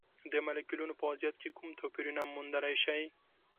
د مالیکولونو په وضعیت کې کوم توپیرونه موندلی شئ؟